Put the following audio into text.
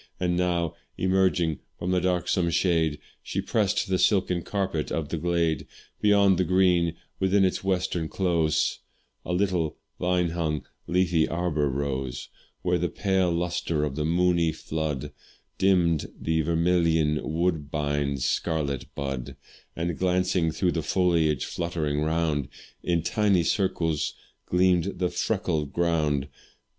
And now emerging from the darksome shade, She pressed the silken carpet of the glade. Beyond the green, within its western close, A little vine hung, leafy arbor rose, Where the pale lustre of the moony flood Dimm'd the vermillion'd woodbine's scarlet bud; And glancing through the foliage fluttering round, In tiny circles gemm'd the freckled ground.